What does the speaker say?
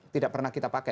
tidak pernah kita pakai